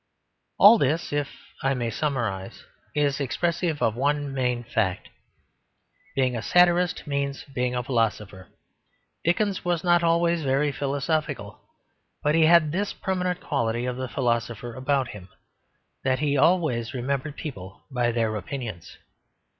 All this (if I may summarise) is expressive of one main fact. Being a satirist means being a philosopher. Dickens was not always very philosophical; but he had this permanent quality of the philosopher about him, that he always remembered people by their opinions.